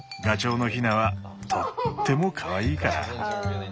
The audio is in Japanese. ガチョウのヒナはとってもかわいいから。